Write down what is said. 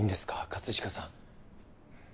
葛飾さん